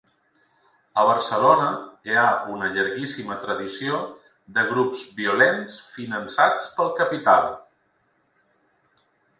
A Barcelona hi ha una llarguíssima tradició de grups violents finançats pel capital.